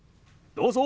どうぞ！